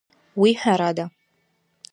Уи ҳәарада.